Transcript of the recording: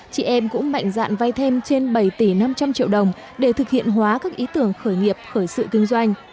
chị em cũng mạnh dạn vay thêm trên bảy tỷ năm trăm linh triệu đồng để thực hiện hóa các ý tưởng khởi nghiệp khởi sự kinh doanh